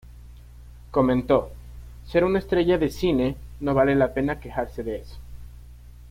Comentó: "Ser una estrella de cine, no vale la pena quejarse de eso".